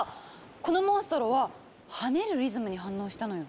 このモンストロは「跳ねるリズム」に反応したのよ。